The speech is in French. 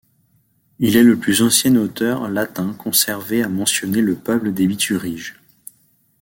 Il est le plus ancien auteur latin conservé à mentionner le peuple des Bituriges.